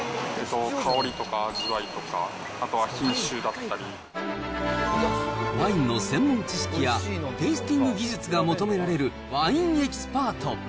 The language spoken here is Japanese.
香りとか味わいとか、あとは品種ワインの専門知識や、テイスティング技術が求められるワインエキスパート。